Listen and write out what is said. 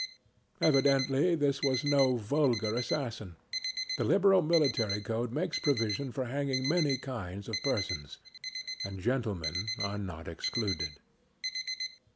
Evidently this was no vulgar assassin. The liberal military code makes provision for hanging many kinds of persons, and gentlemen are not excluded.